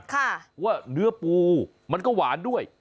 เพราะว่าเนื้อปูมันก็หวานด้วย